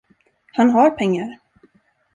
Han har pengar!